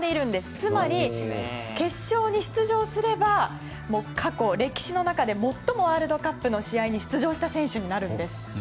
つまり、決勝に出場すれば過去、歴史の中で最もワールドカップの試合に出場した選手になるんです。